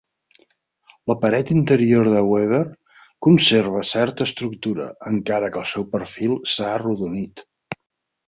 La paret interior de Weber conserva certa estructura, encara que el seu perfil s'ha arrodonit.